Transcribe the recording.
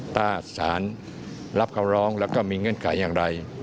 ถ้าสารรับคำร้องแล้วก็มีเงื่อนไขอย่างไร